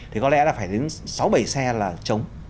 thì có lẽ phải đến sáu bảy xe là chống